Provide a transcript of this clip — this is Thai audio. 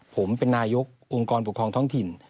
ผมเป็นนายกองค์กรปกครองท้องถิ่น